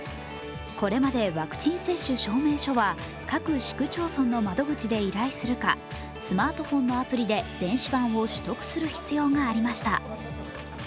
これまでワクチン接種証明書は各市区町村の窓口で依頼するかスマートフォンのアプリで電子版を取得する必要がありました。